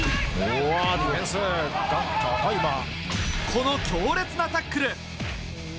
この強烈なタックル。